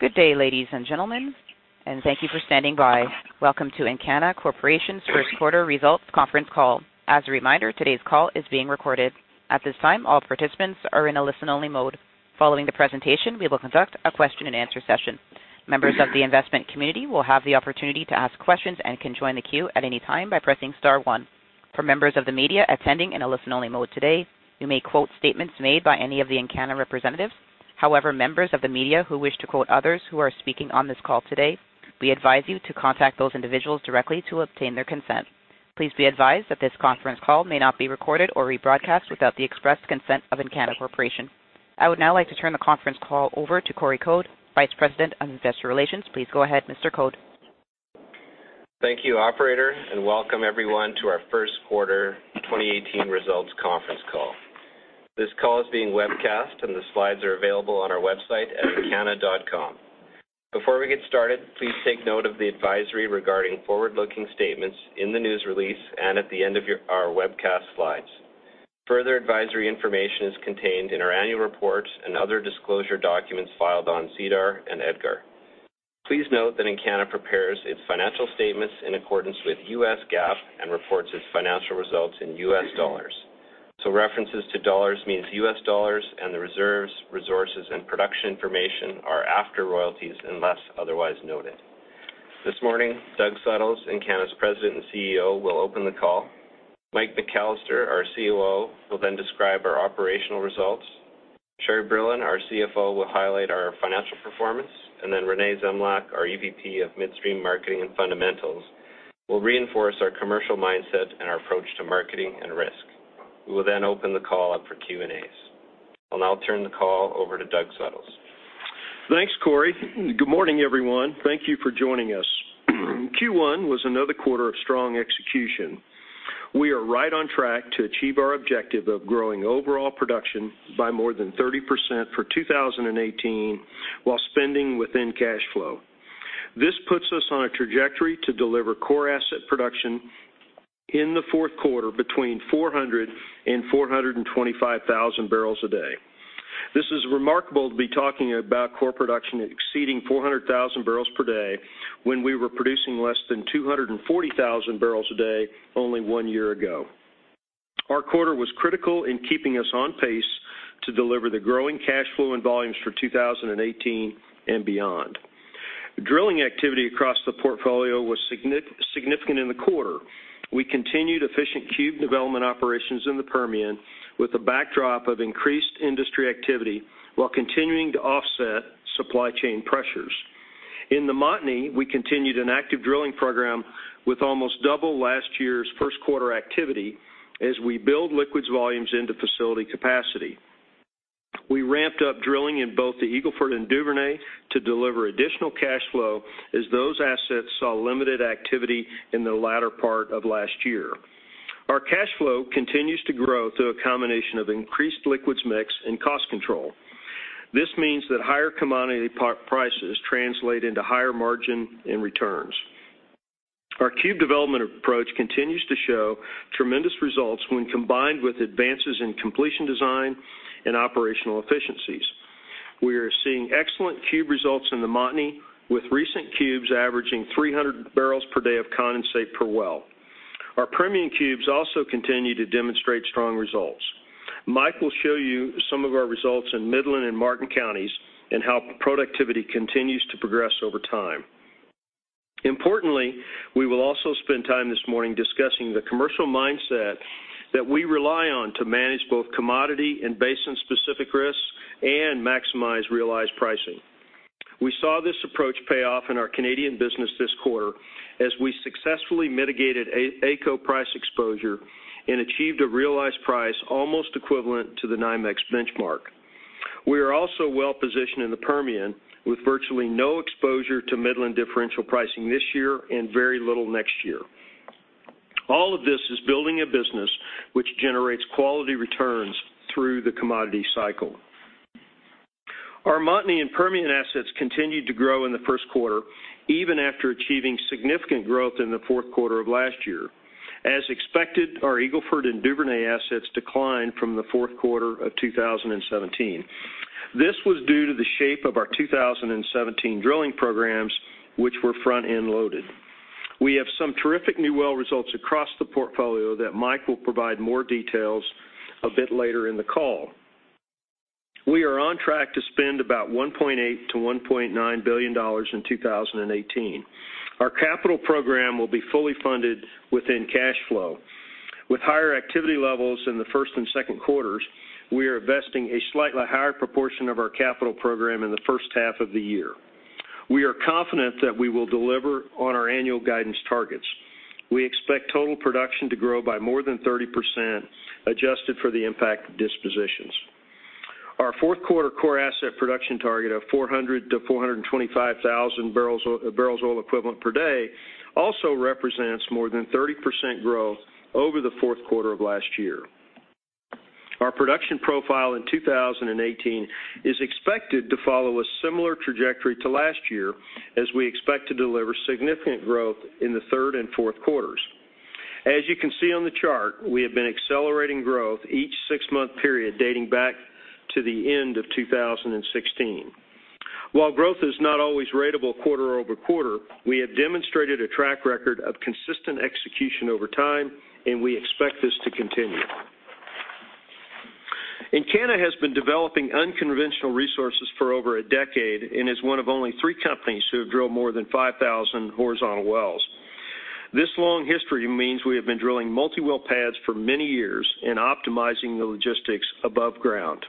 Good day, ladies and gentlemen. Thank you for standing by. Welcome to Encana Corporation's first quarter results conference call. As a reminder, today's call is being recorded. At this time, all participants are in a listen-only mode. Following the presentation, we will conduct a question and answer session. Members of the investment community will have the opportunity to ask questions and can join the queue at any time by pressing star one. For members of the media attending in a listen-only mode today, you may quote statements made by any of the Encana representatives. Members of the media who wish to quote others who are speaking on this call today, we advise you to contact those individuals directly to obtain their consent. Please be advised that this conference call may not be recorded or rebroadcast without the express consent of Encana Corporation. I would now like to turn the conference call over to Corey Code, Vice President of Investor Relations. Please go ahead, Mr. Code. Thank you, operator. Welcome everyone to our first quarter 2018 results conference call. This call is being webcast. The slides are available on our website at encana.com. Before we get started, please take note of the advisory regarding forward-looking statements in the news release and at the end of our webcast slides. Further advisory information is contained in our annual report and other disclosure documents filed on SEDAR and EDGAR. Please note that Encana prepares its financial statements in accordance with US GAAP and reports its financial results in US dollars. References to dollars means US dollars. The reserves, resources, and production information are after royalties, unless otherwise noted. This morning, Doug Suttles, Encana's President and CEO, will open the call. Michael McAllister, our COO, will describe our operational results. Sherri Brillon, our CFO, will highlight our financial performance. Reneé Zemljak, our EVP of Midstream Marketing and Fundamentals, will reinforce our commercial mindset and our approach to marketing and risk. We will open the call up for Q&As. I'll now turn the call over to Doug Suttles. Thanks, Corey. Good morning, everyone. Thank you for joining us. Q1 was another quarter of strong execution. We are right on track to achieve our objective of growing overall production by more than 30% for 2018 while spending within cash flow. This puts us on a trajectory to deliver core asset production in the fourth quarter between 400,000 and 425,000 barrels a day. This is remarkable to be talking about core production exceeding 400,000 barrels per day when we were producing less than 240,000 barrels a day only one year ago. Our quarter was critical in keeping us on pace to deliver the growing cash flow and volumes for 2018 and beyond. Drilling activity across the portfolio was significant in the quarter. We continued efficient cube development operations in the Permian with the backdrop of increased industry activity while continuing to offset supply chain pressures. In the Montney, we continued an active drilling program with almost double last year's first quarter activity as we build liquids volumes into facility capacity. We ramped up drilling in both the Eagle Ford and Duvernay to deliver additional cash flow as those assets saw limited activity in the latter part of last year. Our cash flow continues to grow through a combination of increased liquids mix and cost control. This means that higher commodity prices translate into higher margin and returns. Our cube development approach continues to show tremendous results when combined with advances in completion design and operational efficiencies. We are seeing excellent cube results in the Montney, with recent cubes averaging 300 barrels per day of condensate per well. Our Permian cubes also continue to demonstrate strong results. Mike will show you some of our results in Midland and Martin Counties and how productivity continues to progress over time. Importantly, we will also spend time this morning discussing the commercial mindset that we rely on to manage both commodity and basin-specific risks and maximize realized pricing. We saw this approach pay off in our Canadian business this quarter as we successfully mitigated AECO price exposure and achieved a realized price almost equivalent to the NYMEX benchmark. We are also well-positioned in the Permian, with virtually no exposure to Midland differential pricing this year and very little next year. All of this is building a business which generates quality returns through the commodity cycle. Our Montney and Permian assets continued to grow in the first quarter, even after achieving significant growth in the fourth quarter of last year. As expected, our Eagle Ford and Duvernay assets declined from the fourth quarter of 2017. This was due to the shape of our 2017 drilling programs, which were front-end loaded. We have some terrific new well results across the portfolio that Mike will provide more details a bit later in the call. We are on track to spend about $1.8 billion-$1.9 billion in 2018. Our capital program will be fully funded within cash flow. With higher activity levels in the first and second quarters, we are investing a slightly higher proportion of our capital program in the first half of the year. We are confident that we will deliver on our annual guidance targets. We expect total production to grow by more than 30%, adjusted for the impact of dispositions. Our fourth quarter core asset production target of 400,000 to 425,000 BOE per day also represents more than 30% growth over the fourth quarter of last year. Our production profile in 2018 is expected to follow a similar trajectory to last year, as we expect to deliver significant growth in the third and fourth quarters. As you can see on the chart, we have been accelerating growth each six-month period dating back to the end of 2016. While growth is not always ratable quarter-over-quarter, we have demonstrated a track record of consistent execution over time, and we expect this to continue. Encana has been developing unconventional resources for over a decade and is one of only three companies to have drilled more than 5,000 horizontal wells. This long history means we have been drilling multi-well pads for many years and optimizing the logistics above ground.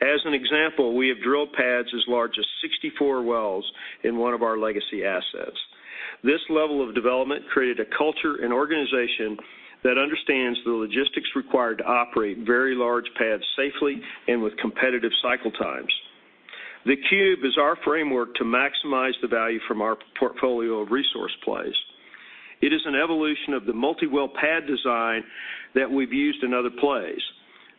As an example, we have drilled pads as large as 64 wells in one of our legacy assets. This level of development created a culture and organization that understands the logistics required to operate very large pads safely and with competitive cycle times. The cube is our framework to maximize the value from our portfolio of resource plays. It is an evolution of the multi-well pad design that we've used in other plays.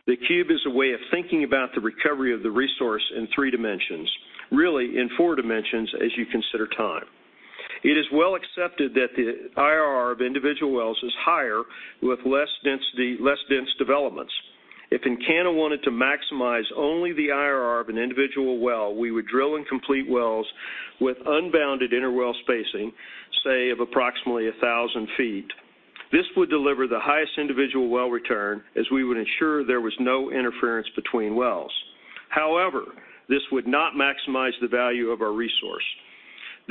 The cube is a way of thinking about the recovery of the resource in three dimensions. Really, in four dimensions, as you consider time. It is well accepted that the IRR of individual wells is higher with less dense developments. If Encana wanted to maximize only the IRR of an individual well, we would drill and complete wells with unbounded inner well spacing, say of approximately 1,000 feet. This would deliver the highest individual well return as we would ensure there was no interference between wells. This would not maximize the value of our resource.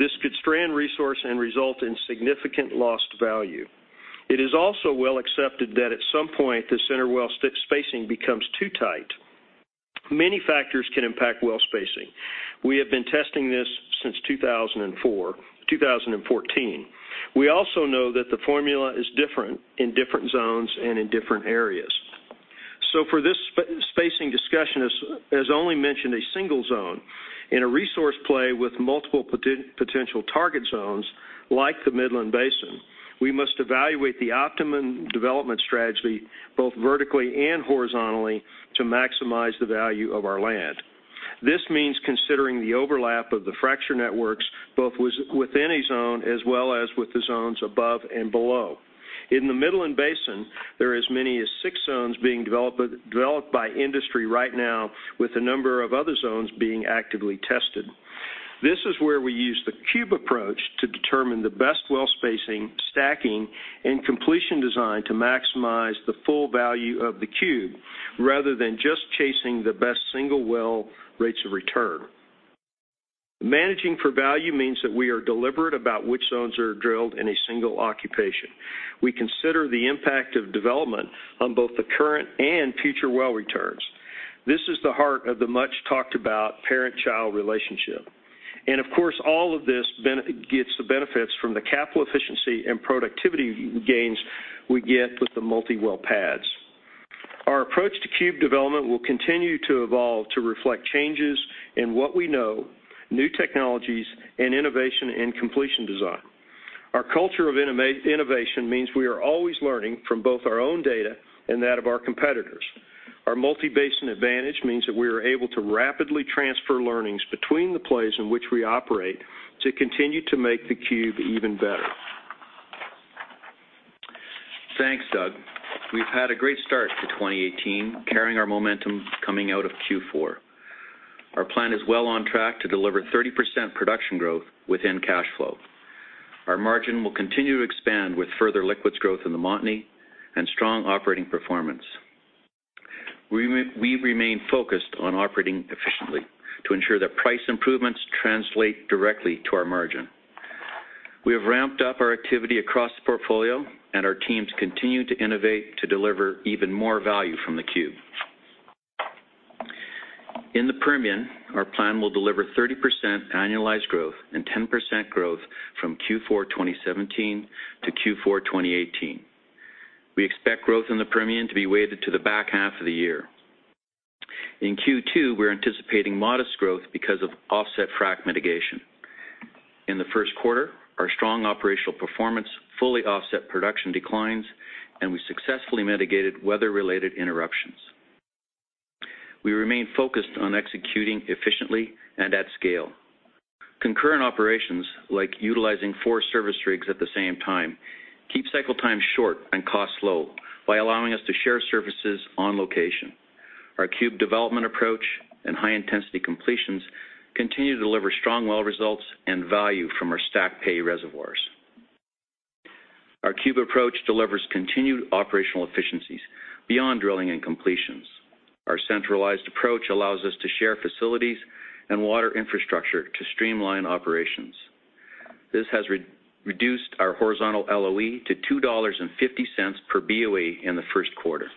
This could strand resource and result in significant lost value. It is also well accepted that at some point, the center well spacing becomes too tight. Many factors can impact well spacing. We have been testing this since 2014. We also know that the formula is different in different zones and in different areas. For this spacing discussion has only mentioned a single zone. In a resource play with multiple potential target zones like the Midland Basin, we must evaluate the optimum development strategy both vertically and horizontally to maximize the value of our land. This means considering the overlap of the fracture networks, both within a zone, as well as with the zones above and below. In the Midland Basin, there are as many as six zones being developed by industry right now, with a number of other zones being actively tested. This is where we use the cube approach to determine the best well spacing, stacking, and completion design to maximize the full value of the cube, rather than just chasing the best single well rates of return. Managing for value means that we are deliberate about which zones are drilled in a single occupation. We consider the impact of development on both the current and future well returns. This is the heart of the much-talked-about parent-child relationship. Of course, all of this gets the benefits from the capital efficiency and productivity gains we get with the multi-well pads. Our approach to cube development will continue to evolve to reflect changes in what we know, new technologies, and innovation in completion design. Our culture of innovation means we are always learning from both our own data and that of our competitors. Our multi-basin advantage means that we are able to rapidly transfer learnings between the plays in which we operate to continue to make the cube even better. Thanks, Doug. We've had a great start to 2018, carrying our momentum coming out of Q4. Our plan is well on track to deliver 30% production growth within cash flow. Our margin will continue to expand with further liquids growth in the Montney and strong operating performance. We remain focused on operating efficiently to ensure that price improvements translate directly to our margin. We have ramped up our activity across the portfolio, and our teams continue to innovate to deliver even more value from the cube. In the Permian, our plan will deliver 30% annualized growth and 10% growth from Q4 2017 to Q4 2018. We expect growth in the Permian to be weighted to the back half of the year. In Q2, we're anticipating modest growth because of offset frac mitigation. In the first quarter, our strong operational performance fully offset production declines, and we successfully mitigated weather-related interruptions. We remain focused on executing efficiently and at scale. Concurrent operations, like utilizing four service rigs at the same time, keep cycle times short and costs low by allowing us to share services on location. Our cube development approach and high-intensity completions continue to deliver strong well results and value from our stack pay reservoirs. Our cube approach delivers continued operational efficiencies beyond drilling and completions. Our centralized approach allows us to share facilities and water infrastructure to streamline operations. This has reduced our horizontal LOE to $2.50 per BOE in the first quarter.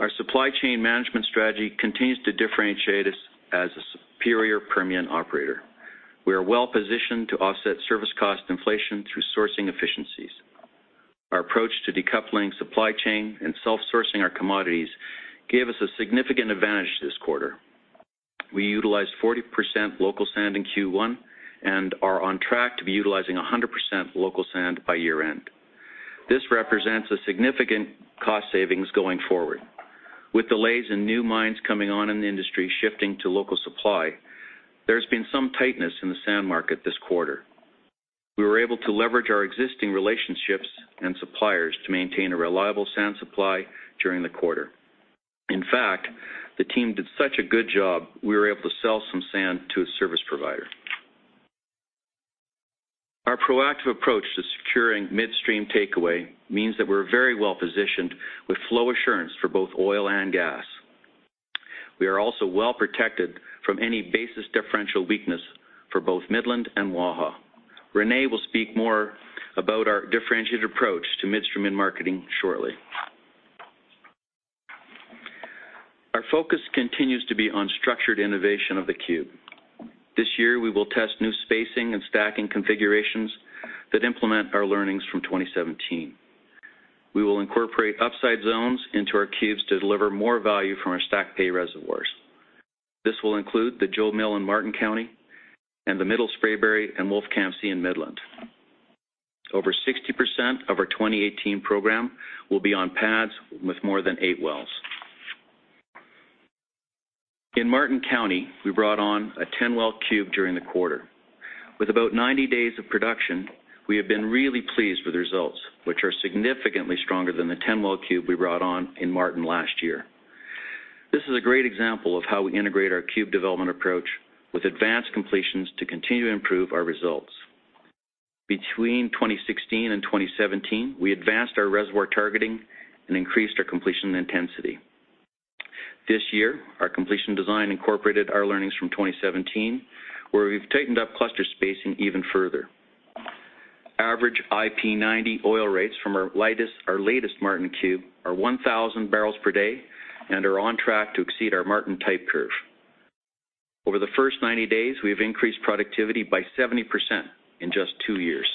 Our supply chain management strategy continues to differentiate us as a superior Permian operator. We are well positioned to offset service cost inflation through sourcing efficiencies. Our approach to decoupling supply chain and self-sourcing our commodities gave us a significant advantage this quarter. We utilized 40% local sand in Q1 and are on track to be utilizing 100% local sand by year-end. This represents a significant cost savings going forward. With delays in new mines coming on in the industry shifting to local supply, there has been some tightness in the sand market this quarter. We were able to leverage our existing relationships and suppliers to maintain a reliable sand supply during the quarter. In fact, the team did such a good job, we were able to sell some sand to a service provider. Our proactive approach to securing midstream takeaway means that we're very well-positioned with flow assurance for both oil and gas. We are also well-protected from any basis differential weakness for both Midland and Waha. Reneé will speak more about our differentiated approach to midstream and marketing shortly. Our focus continues to be on structured innovation of the cube. This year, we will test new spacing and stacking configurations that implement our learnings from 2017. We will incorporate upside zones into our cubes to deliver more value from our stack pay reservoirs. This will include the Jo Mill in Martin County and the Middle Spraberry and Wolfcamp C in Midland. Over 60% of our 2018 program will be on pads with more than eight wells. In Martin County, we brought on a 10-well cube during the quarter. With about 90 days of production, we have been really pleased with the results, which are significantly stronger than the 10-well cube we brought on in Martin last year. This is a great example of how we integrate our cube development approach with advanced completions to continue to improve our results. Between 2016 and 2017, we advanced our reservoir targeting and increased our completion intensity. This year, our completion design incorporated our learnings from 2017, where we've tightened up cluster spacing even further. Average IP 90 oil rates from our latest Martin cube are 1,000 barrels per day and are on track to exceed our Martin type curve. Over the first 90 days, we have increased productivity by 70% in just two years.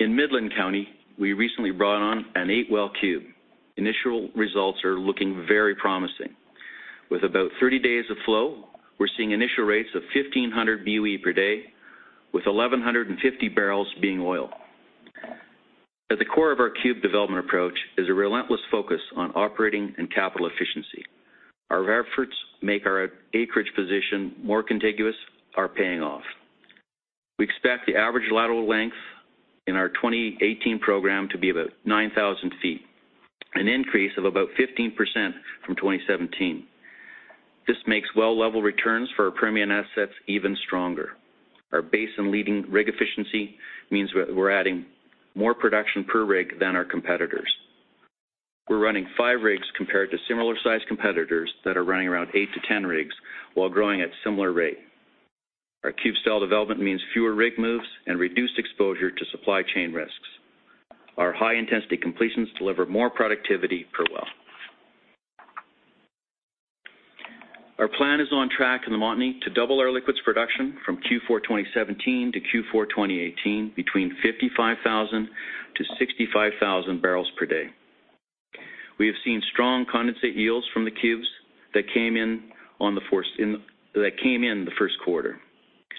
In Midland County, we recently brought on an eight-well cube. Initial results are looking very promising. With about 30 days of flow, we're seeing initial rates of 1,500 BOE per day, with 1,150 barrels being oil. At the core of our cube development approach is a relentless focus on operating and capital efficiency. Our efforts make our acreage position more contiguous are paying off. We expect the average lateral length in our 2018 program to be about 9,000 feet, an increase of about 15% from 2017. This makes well level returns for our premium assets even stronger. Our base and leading rig efficiency means we're adding more production per rig than our competitors. We're running five rigs compared to similar-sized competitors that are running around eight to 10 rigs while growing at similar rate. Our cube-style development means fewer rig moves and reduced exposure to supply chain risks. Our high-intensity completions deliver more productivity per well. Our plan is on track in the Montney to double our liquids production from Q4 2017 to Q4 2018 between 55,000 to 65,000 barrels per day. We have seen strong condensate yields from the cubes that came in the first quarter.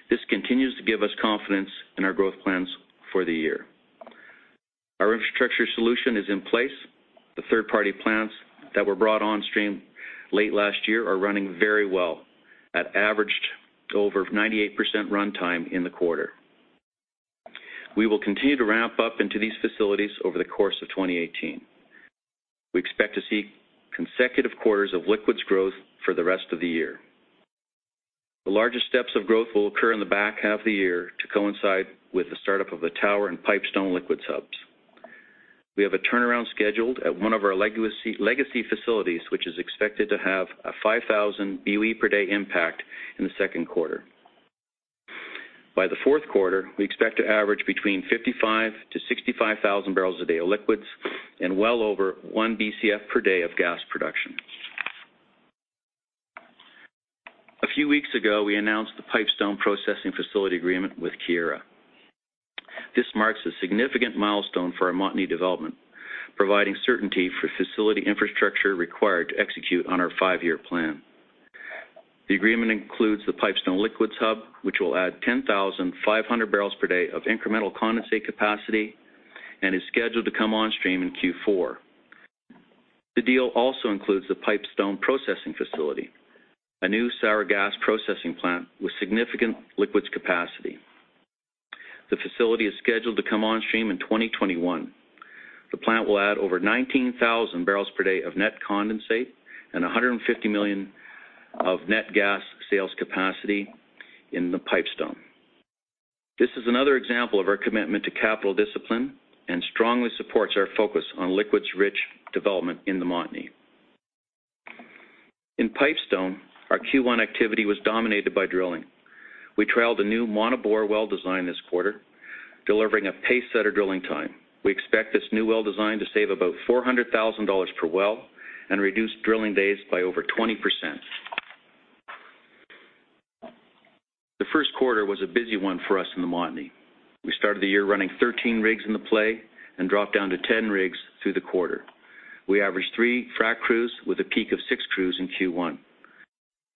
This continues to give us confidence in our growth plans for the year. Our infrastructure solution is in place. The third-party plants that were brought on stream late last year are running very well at averaged over 98% runtime in the quarter. We will continue to ramp up into these facilities over the course of 2018. We expect to see consecutive quarters of liquids growth for the rest of the year. The largest steps of growth will occur in the back half of the year to coincide with the startup of the Tower and Pipestone liquids hubs. We have a turnaround scheduled at one of our legacy facilities, which is expected to have a 5,000 BOE per day impact in the second quarter. By the fourth quarter, we expect to average between 55,000 to 65,000 barrels a day of liquids and well over one BCF per day of gas production. A few weeks ago, we announced the Pipestone Processing Facility agreement with Keyera. This marks a significant milestone for our Montney development, providing certainty for facility infrastructure required to execute on our five-year plan. The agreement includes the Pipestone liquids hub, which will add 10,500 barrels per day of incremental condensate capacity and is scheduled to come on stream in Q4. The deal also includes the Pipestone processing facility, a new sour gas processing plant with significant liquids capacity. The facility is scheduled to come on stream in 2021. The plant will add over 19,000 barrels per day of net condensate and 150 million of net gas sales capacity in the Pipestone. This is another example of our commitment to capital discipline and strongly supports our focus on liquids-rich development in the Montney. In Pipestone, our Q1 activity was dominated by drilling. We trialed a new monobore well design this quarter, delivering a pacesetter drilling time. We expect this new well design to save about $400,000 per well and reduce drilling days by over 20%. The first quarter was a busy one for us in the Montney. We started the year running 13 rigs in the play and dropped down to 10 rigs through the quarter. We averaged three frac crews with a peak of six crews in Q1.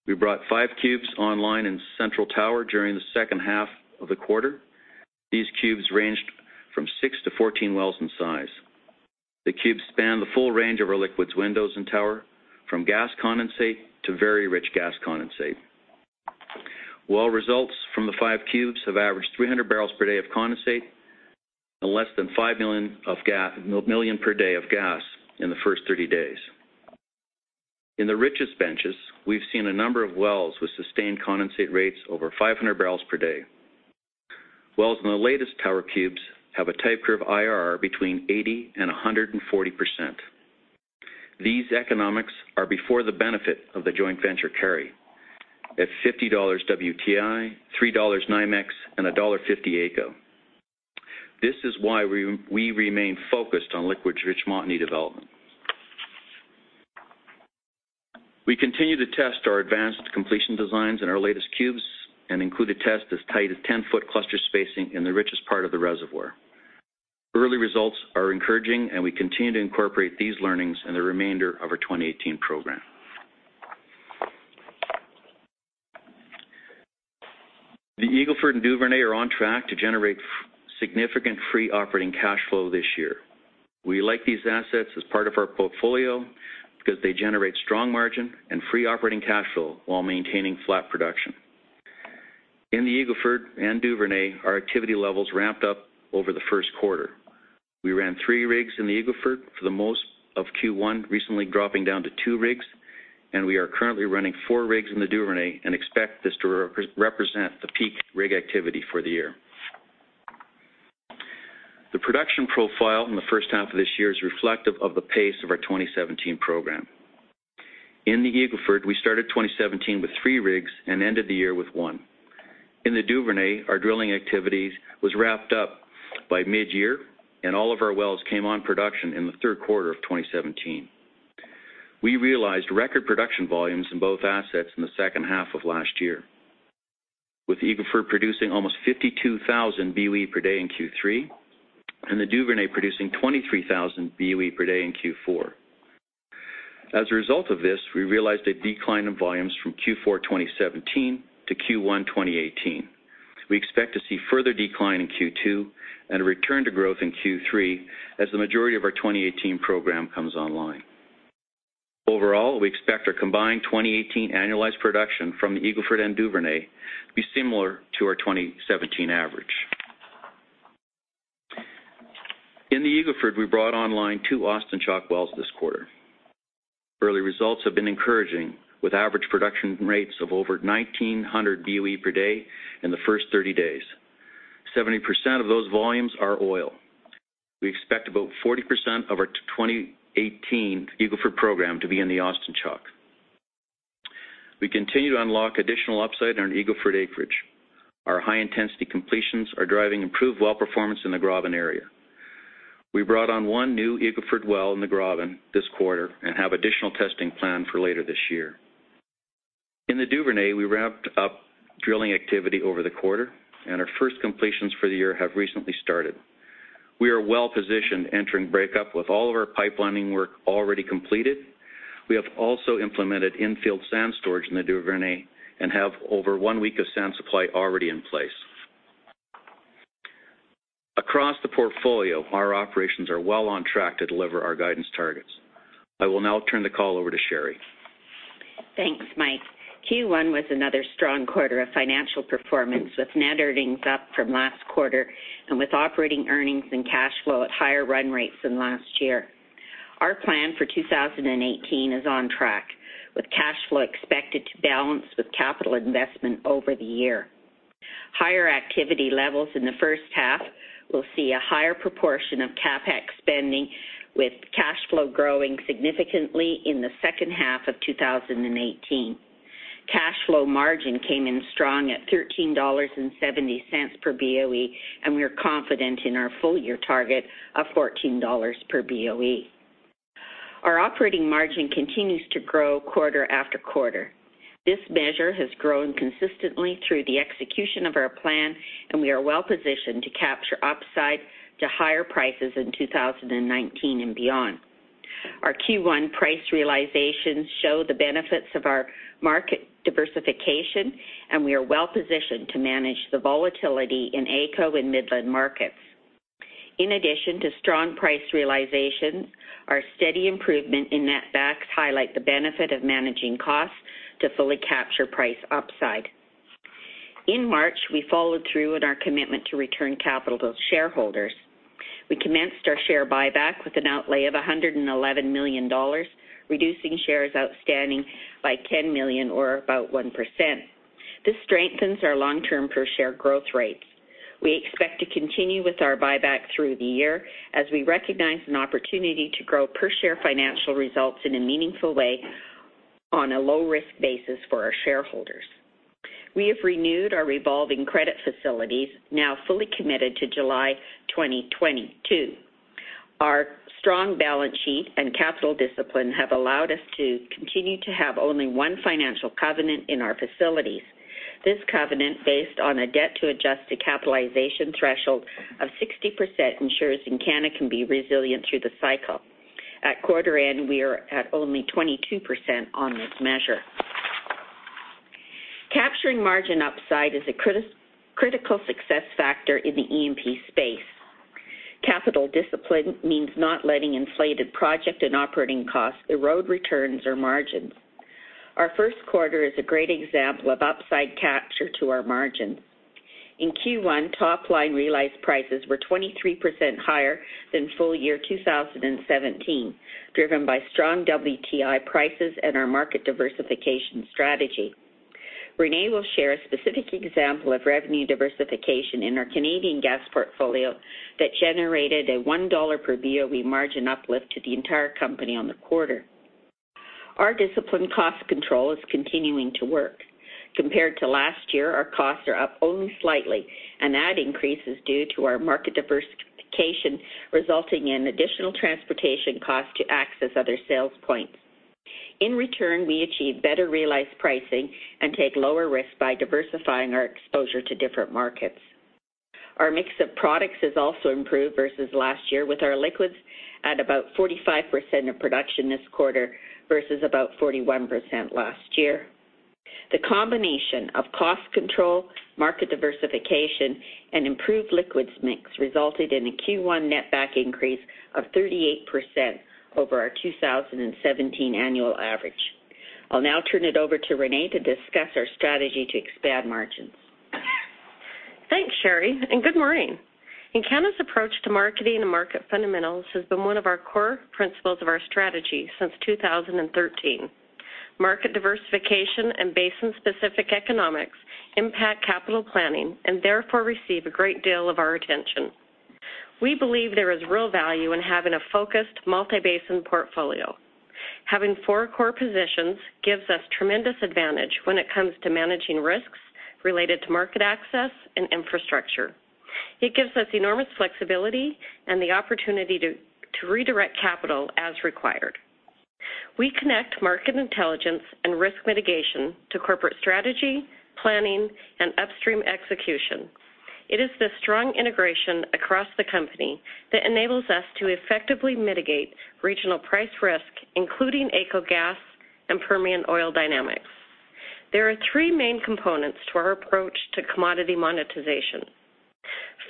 We brought five cubes online in Central Tower during the second half of the quarter. These cubes ranged from six to 14 wells in size. The cubes span the full range of our liquids windows in Tower, from gas condensate to very rich gas condensate. Well results from the five cubes have averaged 300 barrels per day of condensate and less than five million per day of gas in the first 30 days. In the richest benches, we've seen a number of wells with sustained condensate rates over 500 barrels per day. Wells in the latest Tower cubes have a type curve IRR between 80% and 140%. These economics are before the benefit of the joint venture carry at $50 WTI, $3 NYMEX, and $1.50 AECO. This is why we remain focused on liquids-rich Montney development. We continue to test our advanced completion designs in our latest cubes, and include a test as tight as 10-foot cluster spacing in the richest part of the reservoir. Early results are encouraging, and we continue to incorporate these learnings in the remainder of our 2018 program. The Eagle Ford and Duvernay are on track to generate significant free operating cash flow this year. In the Eagle Ford and Duvernay, our activity levels ramped up over the first quarter. We ran three rigs in the Eagle Ford for the most of Q1, recently dropping down to two rigs, and we are currently running four rigs in the Duvernay and expect this to represent the peak rig activity for the year. The production profile in the first half of this year is reflective of the pace of our 2017 program. In the Eagle Ford, we started 2017 with three rigs and ended the year with one. In the Duvernay, our drilling activities was wrapped up by mid-year, and all of our wells came on production in the third quarter of 2017. We realized record production volumes in both assets in the second half of last year, with Eagle Ford producing almost 52,000 BOE per day in Q3, and the Duvernay producing 23,000 BOE per day in Q4. As a result of this, we realized a decline in volumes from Q4 2017 to Q1 2018. We expect to see further decline in Q2 and a return to growth in Q3 as the majority of our 2018 program comes online. Overall, we expect our combined 2018 annualized production from the Eagle Ford and Duvernay to be similar to our 2017 average. In the Eagle Ford, we brought online two Austin Chalk wells this quarter. Early results have been encouraging, with average production rates of over 1,900 BOE per day in the first 30 days. 70% of those volumes are oil. We expect about 40% of our 2018 Eagle Ford program to be in the Austin Chalk. We continue to unlock additional upside on Eagle Ford acreage. Our high-intensity completions are driving improved well performance in the Gravin area. We brought on one new Eagle Ford well in the Gravin this quarter and have additional testing planned for later this year. In the Duvernay, we ramped up drilling activity over the quarter, and our first completions for the year have recently started. We are well-positioned entering breakup with all of our pipelining work already completed. We have also implemented in-field sand storage in the Duvernay and have over one week of sand supply already in place. Across the portfolio, our operations are well on track to deliver our guidance targets. I will now turn the call over to Sherri. Thanks, Mike. Q1 was another strong quarter of financial performance, with net earnings up from last quarter and with operating earnings and cash flow at higher run rates than last year. Our plan for 2018 is on track, with cash flow expected to balance with capital investment over the year. Higher activity levels in the first half will see a higher proportion of CapEx spending, with cash flow growing significantly in the second half of 2018. Cash flow margin came in strong at $13.70 per BOE, and we are confident in our full-year target of $14 per BOE. Our operating margin continues to grow quarter after quarter. This measure has grown consistently through the execution of our plan, and we are well-positioned to capture upside to higher prices in 2019 and beyond. Our Q1 price realizations show the benefits of our market diversification, and we are well-positioned to manage the volatility in AECO and Midland markets. In addition to strong price realization, our steady improvement in netbacks highlight the benefit of managing costs to fully capture price upside. In March, we followed through on our commitment to return capital to shareholders. We commenced our share buyback with an outlay of $111 million, reducing shares outstanding by 10 million or about 1%. This strengthens our long-term per share growth rates. We expect to continue with our buyback through the year as we recognize an opportunity to grow per share financial results in a meaningful way on a low-risk basis for our shareholders. We have renewed our revolving credit facilities, now fully committed to July 2022. Our strong balance sheet and capital discipline have allowed us to continue to have only one financial covenant in our facilities. This covenant, based on a debt to adjusted capitalization threshold of 60%, ensures Encana can be resilient through the cycle. At quarter end, we are at only 22% on this measure. Capturing margin upside is a critical success factor in the E&P space. Capital discipline means not letting inflated project and operating costs erode returns or margins. Our first quarter is a great example of upside capture to our margin. In Q1, top-line realized prices were 23% higher than full year 2017, driven by strong WTI prices and our market diversification strategy. Reneé will share a specific example of revenue diversification in our Canadian gas portfolio that generated a $1 per BOE margin uplift to the entire company on the quarter. Our disciplined cost control is continuing to work. Compared to last year, our costs are up only slightly, and that increase is due to our market diversification, resulting in additional transportation costs to access other sales points. In return, we achieve better realized pricing and take lower risk by diversifying our exposure to different markets. Our mix of products has also improved versus last year, with our liquids at about 45% of production this quarter versus about 41% last year. The combination of cost control, market diversification, and improved liquids mix resulted in a Q1 netback increase of 38% over our 2017 annual average. I'll now turn it over to Reneé to discuss our strategy to expand margins. Thanks, Sherri, and good morning. Encana's approach to marketing and market fundamentals has been one of our core principles of our strategy since 2013. Market diversification and basin-specific economics impact capital planning and therefore receive a great deal of our attention. We believe there is real value in having a focused multi-basin portfolio. Having four core positions gives us tremendous advantage when it comes to managing risks related to market access and infrastructure. It gives us enormous flexibility and the opportunity to redirect capital as required. We connect market intelligence and risk mitigation to corporate strategy, planning, and upstream execution. It is this strong integration across the company that enables us to effectively mitigate regional price risk, including AECO gas and Permian oil dynamics. There are three main components to our approach to commodity monetization.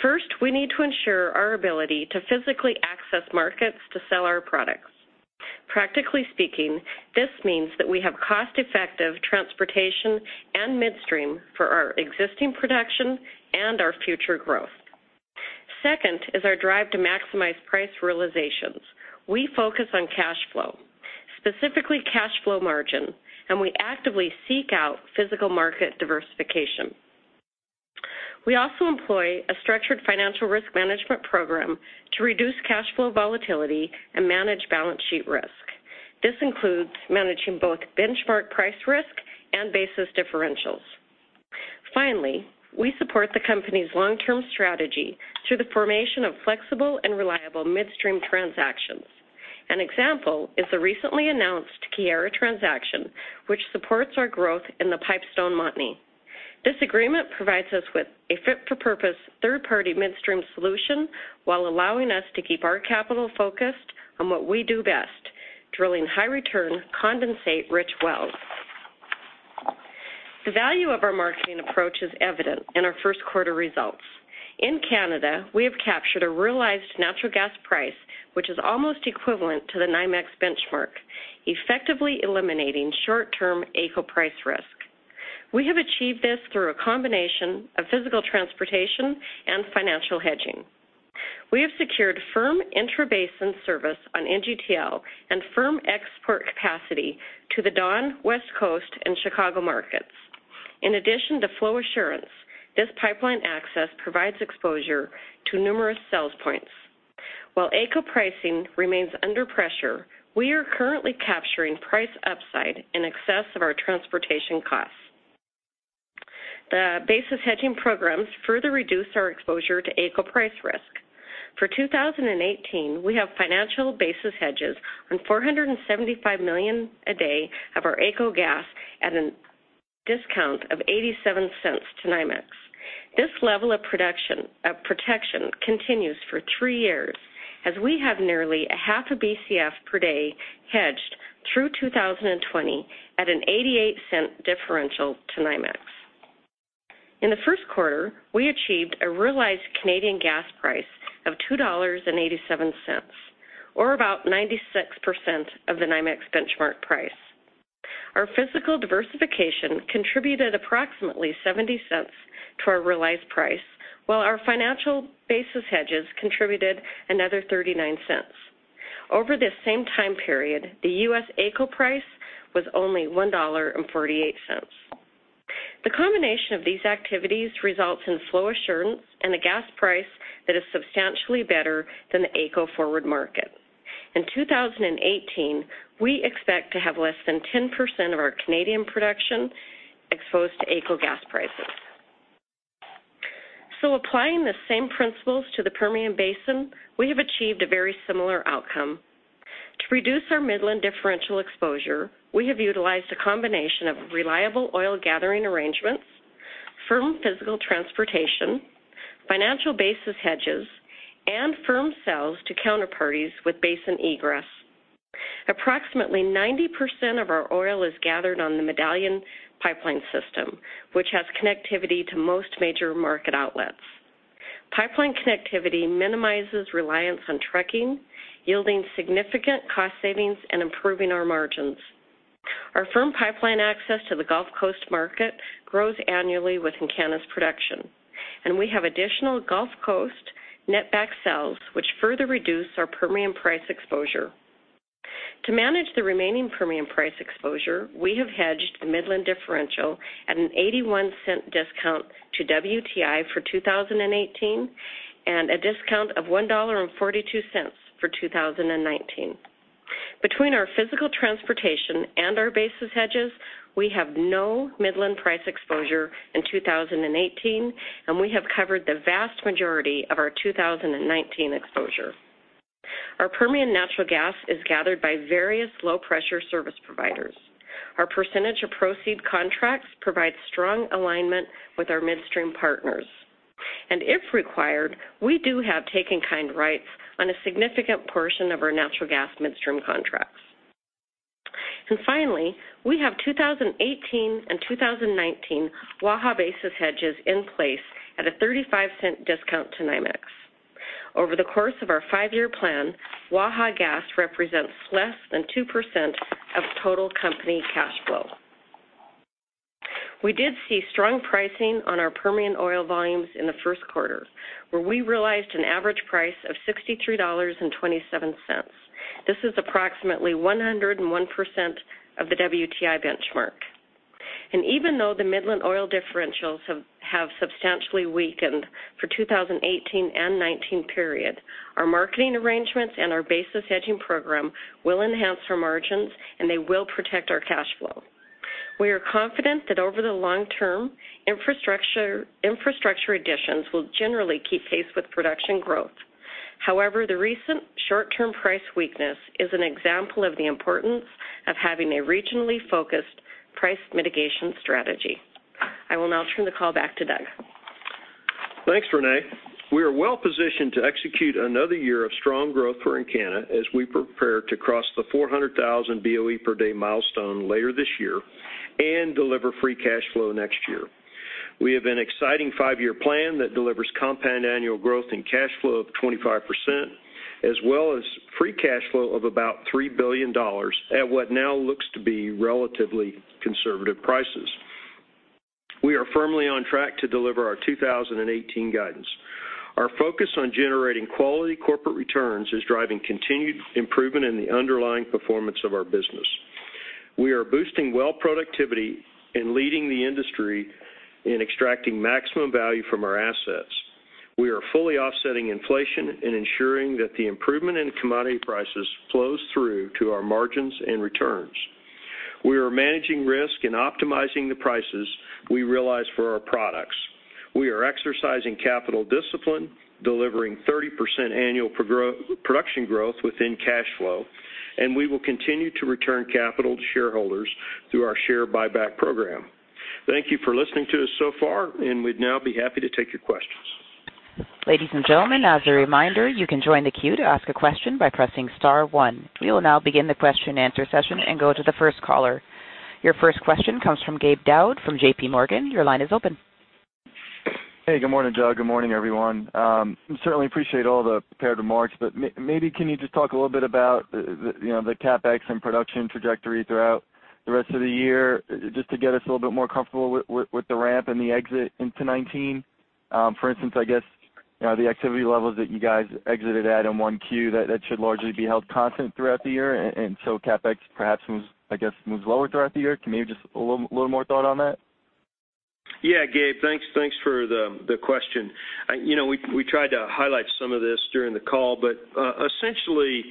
First, we need to ensure our ability to physically access markets to sell our products. Practically speaking, this means that we have cost-effective transportation and midstream for our existing production and our future growth. Second is our drive to maximize price realizations. We focus on cash flow, specifically cash flow margin, and we actively seek out physical market diversification. We also employ a structured financial risk management program to reduce cash flow volatility and manage balance sheet risk. This includes managing both benchmark price risk and basis differentials. Finally, we support the company's long-term strategy through the formation of flexible and reliable midstream transactions. An example is the recently announced Keyera transaction, which supports our growth in the Pipestone Montney. This agreement provides us with a fit-for-purpose third-party midstream solution while allowing us to keep our capital focused on what we do best, drilling high-return, condensate-rich wells. The value of our marketing approach is evident in our first quarter results. In Canada, we have captured a realized natural gas price, which is almost equivalent to the NYMEX benchmark, effectively eliminating short-term AECO price risk. We have achieved this through a combination of physical transportation and financial hedging. We have secured firm intrabasin service on NGTL and firm export capacity to the Dawn, West Coast, and Chicago markets. In addition to flow assurance, this pipeline access provides exposure to numerous sales points. While AECO pricing remains under pressure, we are currently capturing price upside in excess of our transportation costs. The basis hedging programs further reduce our exposure to AECO price risk. For 2018, we have financial basis hedges on 475 million a day of our AECO gas at a discount of $0.87 to NYMEX. This level of protection continues for three years, as we have nearly a half a BCF per day hedged through 2020 at an $0.88 differential to NYMEX. In the first quarter, we achieved a realized Canadian gas price of $2.87, or about 96% of the NYMEX benchmark price. Our physical diversification contributed approximately $0.70 to our realized price, while our financial basis hedges contributed another $0.39. Over this same time period, the U.S. AECO price was only $1.48. The combination of these activities results in flow assurance and a gas price that is substantially better than the AECO forward market. In 2018, we expect to have less than 10% of our Canadian production exposed to AECO gas prices. Applying the same principles to the Permian Basin, we have achieved a very similar outcome. To reduce our Midland differential exposure, we have utilized a combination of reliable oil gathering arrangements, firm physical transportation, financial basis hedges, and firm sales to counterparties with basin egress. Approximately 90% of our oil is gathered on the Medallion Pipeline system, which has connectivity to most major market outlets. Pipeline connectivity minimizes reliance on trucking, yielding significant cost savings and improving our margins. Our firm pipeline access to the Gulf Coast market grows annually with Encana's production, and we have additional Gulf Coast netback sales which further reduce our Permian price exposure. To manage the remaining Permian price exposure, we have hedged the Midland differential at an $0.81 discount to WTI for 2018, and a discount of $1.42 for 2019. Between our physical transportation and our basis hedges, we have no Midland price exposure in 2018, and we have covered the vast majority of our 2019 exposure. Our Permian natural gas is gathered by various low-pressure service providers. Our percentage of proceed contracts provide strong alignment with our midstream partners. If required, we do have take-in-kind rights on a significant portion of our natural gas midstream contracts. Finally, we have 2018 and 2019 Waha basis hedges in place at a $0.35 discount to NYMEX. Over the course of our five-year plan, Waha gas represents less than 2% of total company cash flow. We did see strong pricing on our Permian oil volumes in the first quarter, where we realized an average price of $63.27. This is approximately 101% of the WTI benchmark. Even though the Midland oil differentials have substantially weakened for 2018 and 2019 period, our marketing arrangements and our basis hedging program will enhance our margins, and they will protect our cash flow. We are confident that over the long term, infrastructure additions will generally keep pace with production growth. However, the recent short-term price weakness is an example of the importance of having a regionally focused price mitigation strategy. I will now turn the call back to Doug. Thanks, Reneé. We are well-positioned to execute another year of strong growth for Encana as we prepare to cross the 400,000 BOE per day milestone later this year and deliver free cash flow next year. We have an exciting five-year plan that delivers compound annual growth and cash flow of 25%, as well as free cash flow of about $3 billion at what now looks to be relatively conservative prices. We are firmly on track to deliver our 2018 guidance. Our focus on generating quality corporate returns is driving continued improvement in the underlying performance of our business. We are boosting well productivity and leading the industry in extracting maximum value from our assets. We are fully offsetting inflation and ensuring that the improvement in commodity prices flows through to our margins and returns. We are managing risk and optimizing the prices we realize for our products. We are exercising capital discipline, delivering 30% annual production growth within cash flow. We will continue to return capital to shareholders through our share buyback program. Thank you for listening to us so far. We'd now be happy to take your questions. Ladies and gentlemen, as a reminder, you can join the queue to ask a question by pressing *1. We will now begin the question and answer session and go to the first caller. Your first question comes from Gabe Daoud from J.P. Morgan. Your line is open. Hey, good morning, Doug. Good morning, everyone. Certainly appreciate all the prepared remarks. Maybe can you just talk a little bit about the CapEx and production trajectory throughout the rest of the year, just to get us a little bit more comfortable with the ramp and the exit into 2019. For instance, I guess, the activity levels that you guys exited at in 1Q, that should largely be held constant throughout the year. CapEx perhaps, I guess, moves lower throughout the year. Can you maybe just a little more thought on that? Yeah, Gabe, thanks for the question. We tried to highlight some of this during the call. Essentially,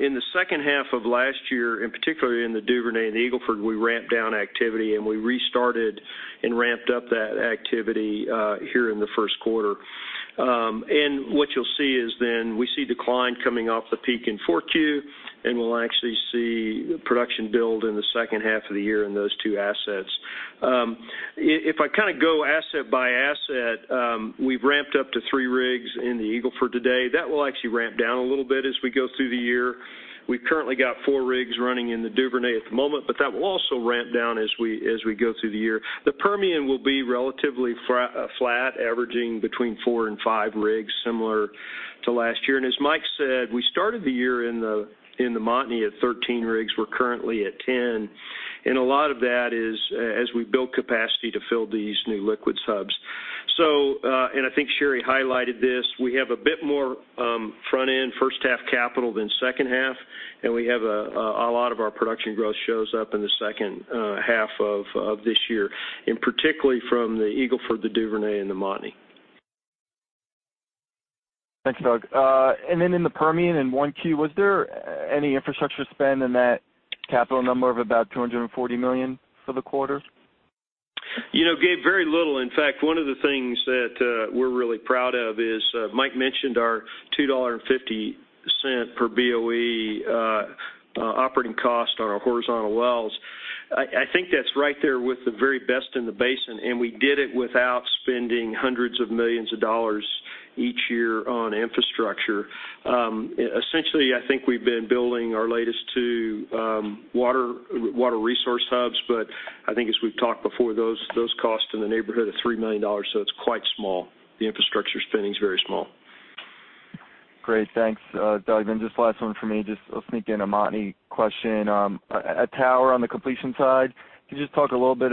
in the second half of last year, in particular in the Duvernay and the Eagle Ford, we ramped down activity, and we restarted and ramped up that activity here in the first quarter. What you'll see is then we see decline coming off the peak in 4Q, and we'll actually see production build in the second half of the year in those two assets. If I go asset by asset, we've ramped up to 3 rigs in the Eagle Ford today. That will actually ramp down a little bit as we go through the year. We've currently got 4 rigs running in the Duvernay at the moment. That will also ramp down as we go through the year. The Permian will be relatively flat, averaging between 4 and 5 rigs, similar to last year. As Mike said, we started the year in the Montney at 13 rigs. We're currently at 10. A lot of that is as we build capacity to fill these new liquid subs. I think Sherri highlighted this, we have a bit more front-end, first half capital than second half, and we have a lot of our production growth shows up in the second half of this year, and particularly from the Eagle Ford, the Duvernay, and the Montney. Thanks, Doug. Then in the Permian in 1Q, was there any infrastructure spend in that capital number of about $240 million for the quarter? Gabe, very little. In fact, one of the things that we're really proud of is Mike mentioned our $2.50 per BOE operating cost on our horizontal wells. I think that's right there with the very best in the basin, and we did it without spending hundreds of millions of dollars each year on infrastructure. Essentially, I think we've been building our latest two water resource hubs, but I think as we've talked before, those costs in the neighborhood of $3 million, so it's quite small. The infrastructure spending's very small. Great. Thanks, Doug. Just last one from me, just sneak in a Montney question. At Tower on the completion side, could you just talk a little bit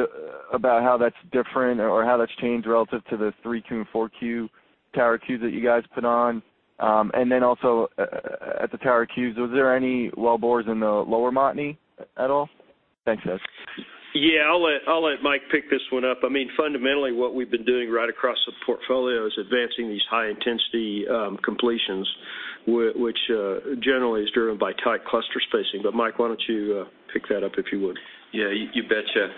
about how that's different or how that's changed relative to the 3Q and 4Q Tower Qs that you guys put on? Also at the Tower Qs, was there any wellbores in the lower Montney at all? Thanks, guys. Yeah, I'll let Mike pick this one up. Fundamentally what we've been doing right across the portfolio is advancing these high-intensity completions, which generally is driven by tight cluster spacing. Mike, why don't you pick that up, if you would? Yeah, you betcha.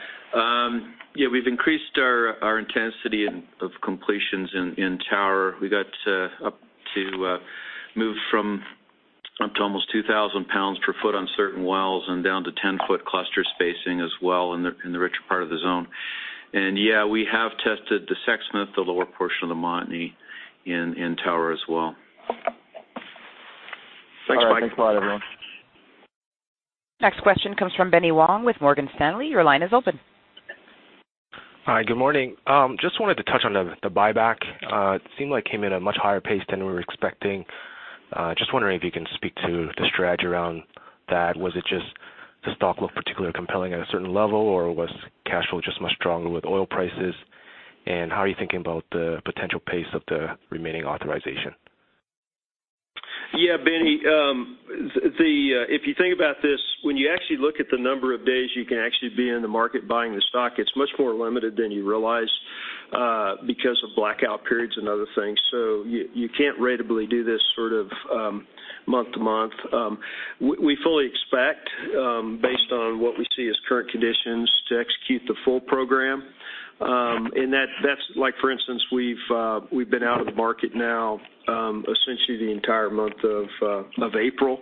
We've increased our intensity of completions in Tower. We got up to move from up to almost 2,000 pounds per foot on certain wells and down to 10-foot cluster spacing as well in the richer part of the zone. Yeah, we have tested to Sexsmith the lower portion of the Montney in Tower as well. Thanks, Mike. All right. Thanks a lot, everyone. Next question comes from Benny Wong with Morgan Stanley. Your line is open. Hi, good morning. Just wanted to touch on the buyback. It seemed like it came at a much higher pace than we were expecting. Just wondering if you can speak to the strategy around that. Was it just the stock looked particularly compelling at a certain level, or was cash flow just much stronger with oil prices? How are you thinking about the potential pace of the remaining authorization? Benny, if you think about this, when you actually look at the number of days you can actually be in the market buying the stock, it's much more limited than you realize because of blackout periods and other things. You can't ratably do this sort of month to month. We fully expect, based on what we see as current conditions, to execute the full program. That's like for instance, we've been out of the market now essentially the entire month of April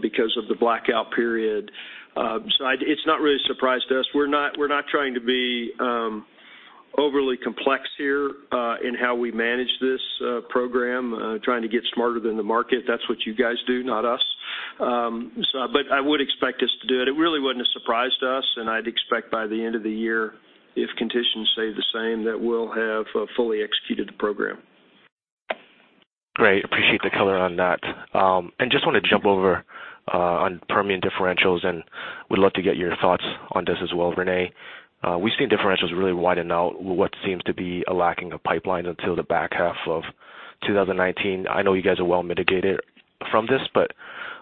because of the blackout period. It's not really a surprise to us. We're not trying to be overly complex here in how we manage this program, trying to get smarter than the market. That's what you guys do, not us. I would expect us to do it. It really wouldn't have surprised us. I'd expect by the end of the year, if conditions stay the same, that we'll have fully executed the program. Great. Appreciate the color on that. Just want to jump over on Permian differentials, and would love to get your thoughts on this as well, Reneé. We've seen differentials really widen out what seems to be a lacking of pipelines until the back half of 2019. I know you guys are well mitigated from this.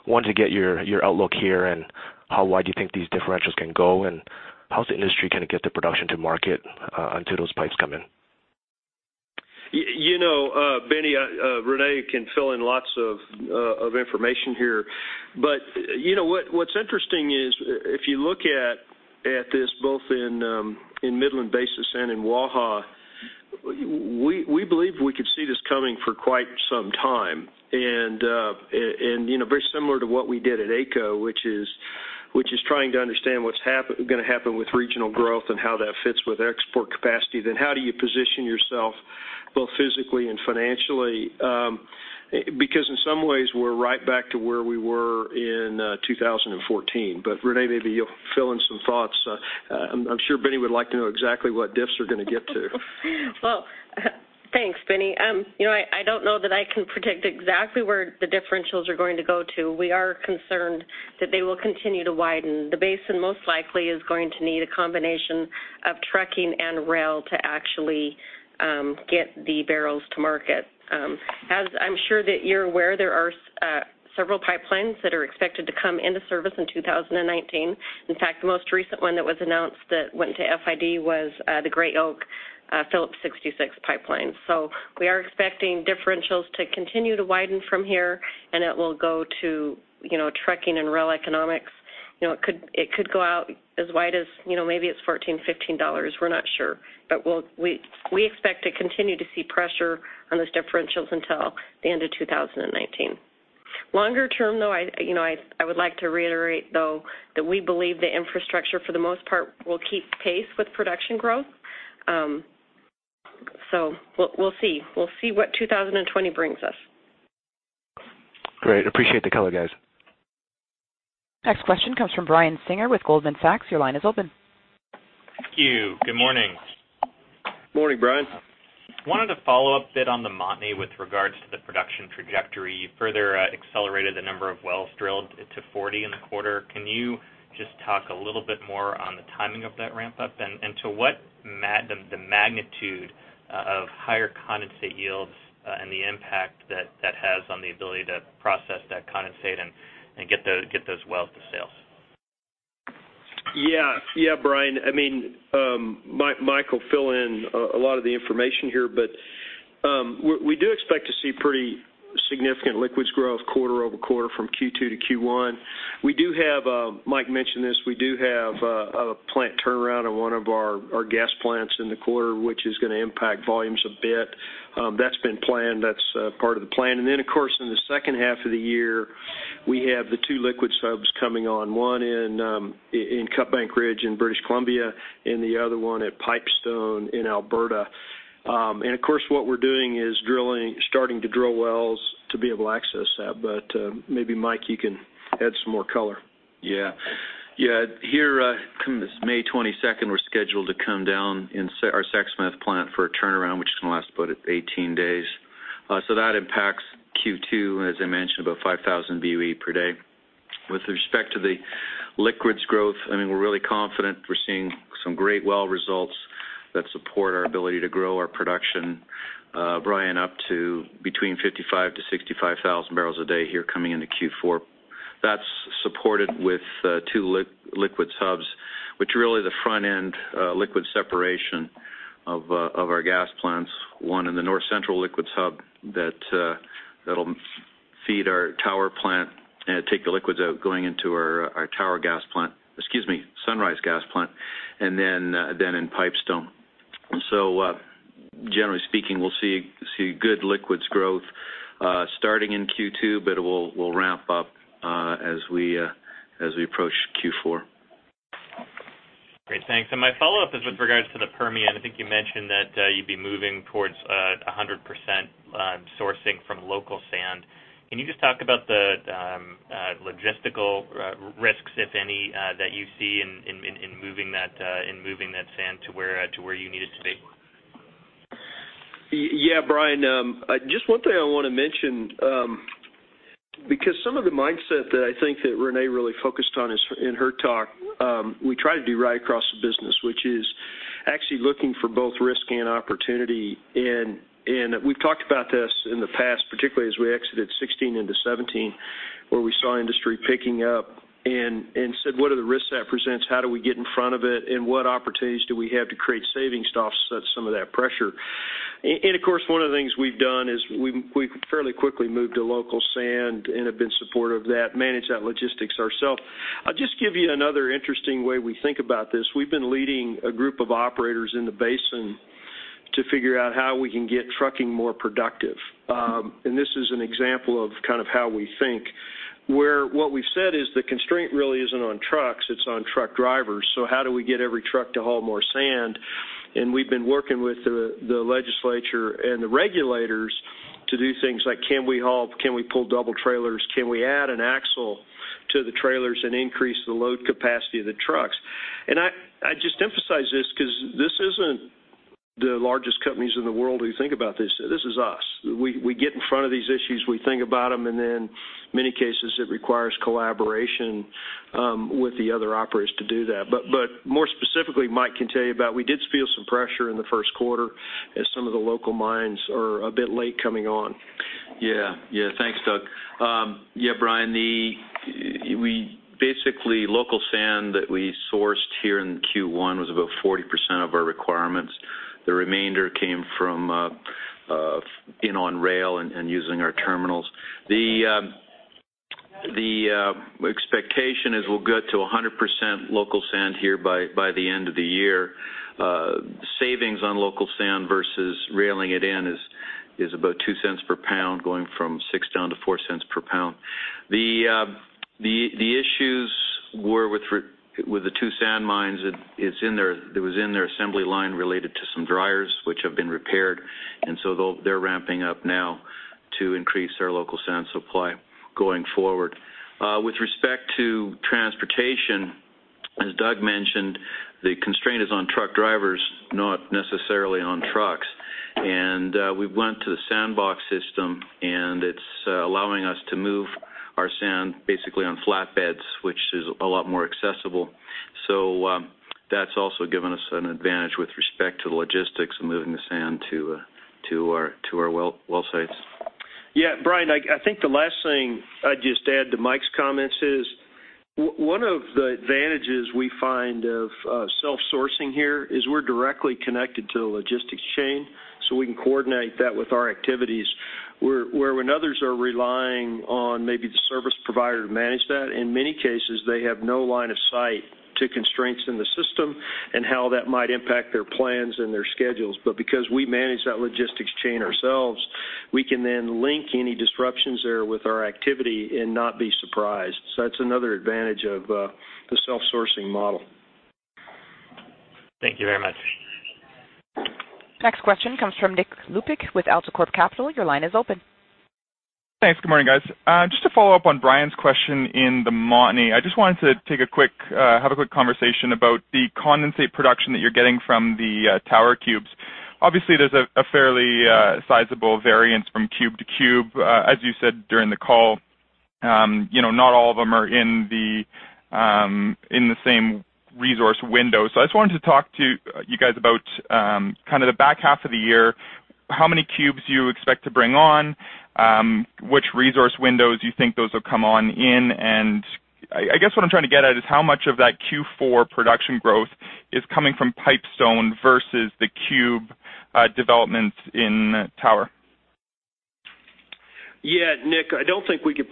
Wanted to get your outlook here and how wide you think these differentials can go, and how's the industry going to get the production to market until those pipes come in? Benny, Reneé can fill in lots of information here. What's interesting is if you look at this both in Midland basis and in Waha, we believe we could see this coming for quite some time. Very similar to what we did at AECO, which is trying to understand what's going to happen with regional growth and how that fits with export capacity. How do you position yourself both physically and financially? Because in some ways we're right back to where we were in 2014. Reneé, maybe you'll fill in some thoughts. I'm sure Benny would like to know exactly what diffs are going to get to. Well, thanks, Benny. I don't know that I can predict exactly where the differentials are going to go to. We are concerned that they will continue to widen. The basin most likely is going to need a combination of trucking and rail to actually get the barrels to market. As I'm sure that you're aware, there are several pipelines that are expected to come into service in 2019. In fact, the most recent one that was announced that went to FID was the Gray Oak Phillips 66 pipeline. We are expecting differentials to continue to widen from here, and it will go to trucking and rail economics. It could go out as wide as maybe it's $14, $15. We're not sure. We expect to continue to see pressure on those differentials until the end of 2019. Longer term, though, I would like to reiterate, though, that we believe the infrastructure for the most part will keep pace with production growth. We'll see what 2020 brings us. Great. Appreciate the color, guys. Next question comes from Brian Singer with Goldman Sachs. Your line is open. Thank you. Good morning. Morning, Brian. Wanted to follow up a bit on the Montney with regards to the production trajectory. You further accelerated the number of wells drilled to 40 in the quarter. Can you just talk a little bit more on the timing of that ramp up and to what the magnitude of higher condensate yields and the impact that that has on the ability to process that condensate and get those wells to sales? Yeah, Brian. Mike will fill in a lot of the information here, but we do expect to see pretty significant liquids growth quarter-over-quarter from Q2 to Q1. Mike mentioned this, we do have a plant turnaround on one of our gas plants in the quarter, which is going to impact volumes a bit. That's been planned. That's part of the plan. Of course, in the second half of the year, we have the two liquids hubs coming on. One in Cut Bank Ridge in British Columbia, and the other one at Pipestone in Alberta. Of course, what we're doing is starting to drill wells to be able to access that. Maybe, Mike, you can add some more color. Here, come this May 22nd, we're scheduled to come down in our Sexsmith plant for a turnaround, which is going to last about 18 days. That impacts Q2, as I mentioned, about 5,000 BOE per day. With respect to the liquids growth, we're really confident. We're seeing some great well results that support our ability to grow our production, Brian, up to between 55,000 to 65,000 barrels a day here coming into Q4. That's supported with two liquids hubs, which are really the front-end liquid separation of our gas plants, one in the North Central liquids hub that'll feed our Tower plant and take the liquids out going into our Sunrise gas plant, and then in Pipestone. Generally speaking, we'll see good liquids growth starting in Q2, but it will ramp up as we approach Q4. Great, thanks. My follow-up is with regards to the Permian. I think you mentioned that you'd be moving towards 100% sourcing from local sand. Can you just talk about the logistical risks, if any, that you see in moving that sand to where you need it to be? Brian. Just one thing I want to mention, because some of the mindset that I think that Reneé really focused on in her talk, we try to do right across the business, which is actually looking for both risk and opportunity. We've talked about this in the past, particularly as we exited 2016 into 2017, where we saw industry picking up and said, "What are the risks that presents? How do we get in front of it? What opportunities do we have to create savings to offset some of that pressure?" Of course, one of the things we've done is we've fairly quickly moved to local sand and have been supportive of that, manage that logistics ourself. I'll just give you another interesting way we think about this. We've been leading a group of operators in the basin to figure out how we can get trucking more productive. This is an example of how we think, where what we've said is the constraint really isn't on trucks, it's on truck drivers. How do we get every truck to haul more sand? We've been working with the legislature and the regulators to do things like can we pull double trailers? Can we add an axle to the trailers and increase the load capacity of the trucks? I just emphasize this because this isn't the largest companies in the world who think about this. This is us. We get in front of these issues, we think about them, and then many cases it requires collaboration with the other operators to do that. More specifically, Mike can tell you about, we did feel some pressure in the first quarter as some of the local mines are a bit late coming on. Thanks, Doug. Brian, basically local sand that we sourced here in Q1 was about 40% of our requirements. The remainder came from in on rail and using our terminals. The expectation is we'll get to 100% local sand here by the end of the year. Savings on local sand versus railing it in is about $0.02 per pound, going from $0.06 down to $0.04 per pound. The issues with the two sand mines, it was in their assembly line related to some dryers, which have been repaired. They're ramping up now to increase their local sand supply going forward. With respect to transportation, as Doug mentioned, the constraint is on truck drivers, not necessarily on trucks. We went to the SandBox system, and it's allowing us to move our sand basically on flatbeds, which is a lot more accessible. That's also given us an advantage with respect to the logistics and moving the sand to our well sites. Brian, I think the last thing I'd just add to Mike's comments is, one of the advantages we find of self-sourcing here is we're directly connected to the logistics chain, we can coordinate that with our activities. Where when others are relying on maybe the service provider to manage that, in many cases, they have no line of sight to constraints in the system and how that might impact their plans and their schedules. Because we manage that logistics chain ourselves, we can then link any disruptions there with our activity and not be surprised. That's another advantage of the self-sourcing model. Thank you very much. Next question comes from Nick Lupick with AltaCorp Capital. Your line is open. Thanks. Good morning, guys. Just to follow up on Brian's question in the montney, I just wanted to have a quick conversation about the condensate production that you're getting from the Tower cubes. Obviously, there's a fairly sizable variance from cube to cube. As you said during the call, not all of them are in the same resource window. I just wanted to talk to you guys about kind of the back half of the year. How many cubes do you expect to bring on? Which resource windows you think those will come on in? I guess what I'm trying to get at is how much of that Q4 production growth is coming from Pipestone versus the cube developments in Tower? Yeah, Nick, I don't think we could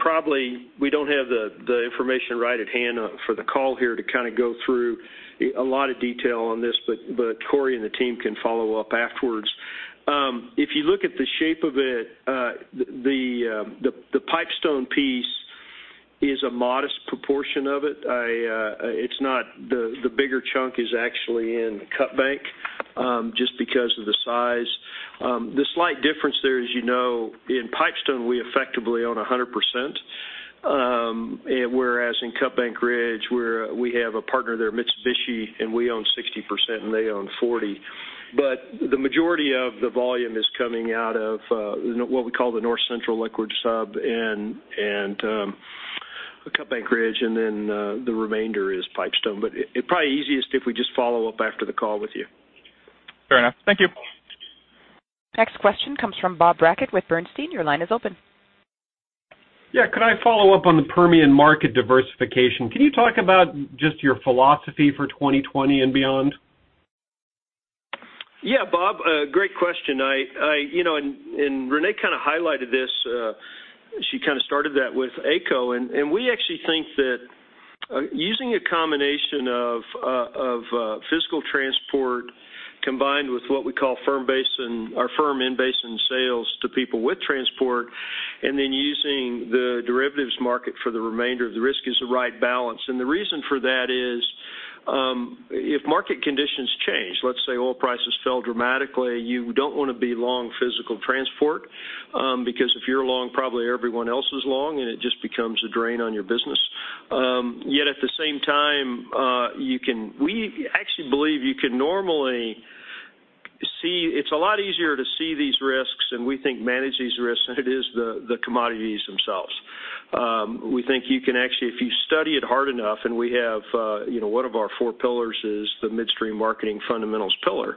We don't have the information right at hand for the call here to go through a lot of detail on this, Corey and the team can follow up afterwards. If you look at the shape of it, the Pipestone piece is a modest proportion of it. The bigger chunk is actually in Cutbank, just because of the size. The slight difference there as you know, in Pipestone, we effectively own 100%. Whereas in Cutbank Ridge, we have a partner there, Mitsubishi, and we own 60%, and they own 40. The majority of the volume is coming out of what we call the North Central Liquid Sub and Cutbank Ridge, and then the remainder is Pipestone. It's probably easiest if we just follow up after the call with you. Fair enough. Thank you. Next question comes from Bob Brackett with Bernstein. Your line is open. Yeah, could I follow up on the Permian market diversification? Can you talk about just your philosophy for 2020 and beyond? Yeah, Bob. Great question. Reneé kind of highlighted this. She kind of started that with AECO. We actually think that using a combination of physical transport combined with what we call firm in-basin sales to people with transport, and then using the derivatives market for the remainder of the risk is the right balance. The reason for that is, if market conditions change, let's say oil prices fell dramatically, you don't want to be long physical transport. Because if you're long, probably everyone else is long, and it just becomes a drain on your business. Yet at the same time, we actually believe you can normally see. It's a lot easier to see these risks. We think manage these risks than it is the commodities themselves. We think you can actually, if you study it hard enough, and one of our four pillars is the Midstream, Marketing & Fundamentals pillar,